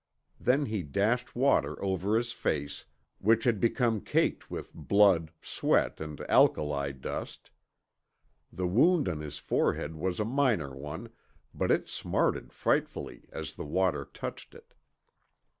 Then he dashed water over his face, which had become caked with blood, sweat, and alkali dust. The wound on his forehead was a minor one, but it smarted frightfully as the water touched it.